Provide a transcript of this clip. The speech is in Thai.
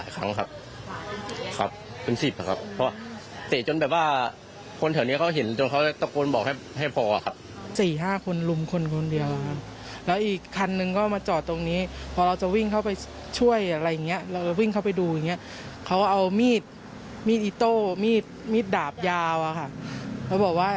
คั้นหนึ่งมาจอดตรงนี้พอเราจะวิ่งเข้าไปช่วยอะไรอย่างเขาเอามีดอิโต้มีดดาบยาว